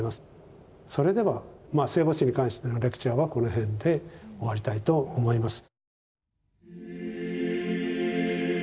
それでは聖母子に関してのレクチャーはこの辺で終わりたいと思います。